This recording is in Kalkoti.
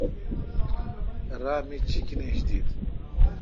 را می چیکینیش دیت۔